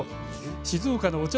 静岡のお茶